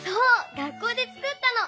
学校でつくったの。